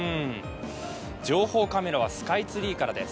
情報カメラはスカイツリーからです。